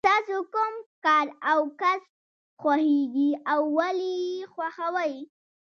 ستاسو کوم کار او کسب خوښیږي او ولې یې خوښوئ.